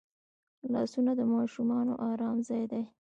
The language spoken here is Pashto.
لاسونه د ماشوم ارام ځای دی